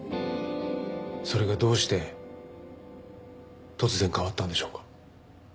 それがどうして突然変わったんでしょうか？